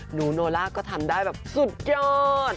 โนล่าก็ทำได้แบบสุดยอด